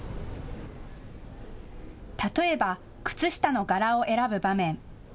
例えば靴下の柄を選ぶ場面。